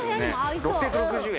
６６０円。